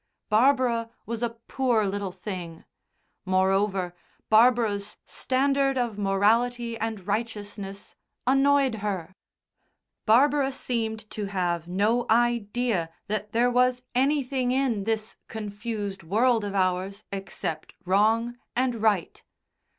Barbara was a poor little thing. Moreover, Barbara's standard of morality and righteousness annoyed her. Barbara seemed to have no idea that there was anything in this confused world of ours except wrong and right.